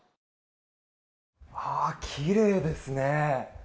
きれいですね。